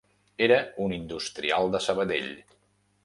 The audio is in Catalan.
Era un industrial de Sabadell.